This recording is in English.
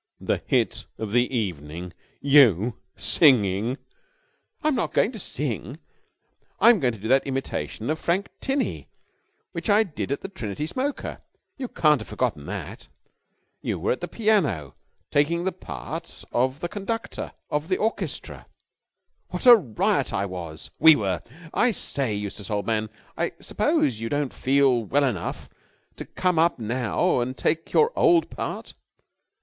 "The hit of the evening! You! Singing!" "I'm not going to sing. I'm going to do that imitation of Frank Tinney which I did at the Trinity Smoker. You haven't forgotten that? You were at the piano taking the part of the conductor of the orchestra. What a riot I was we were! I say, Eustace, old man, I suppose you don't feel well enough to come up now and take your old part?